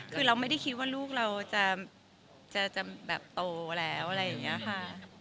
คือเราไม่ได้คิดว่าลูกเราจะแบบโตแล้วอะไรอย่างนี้ค่ะ